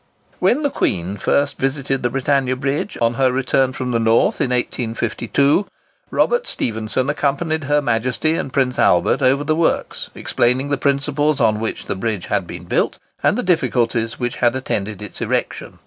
When the Queen first visited the Britannia Bridge, on her return from the North in 1852, Robert Stephenson accompanied Her Majesty and Prince Albert over the works, explaining the principles on which the bridge had been built, and the difficulties which had attended its erection.